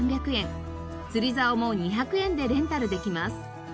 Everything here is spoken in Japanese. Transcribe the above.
釣りざおも２００円でレンタルできます。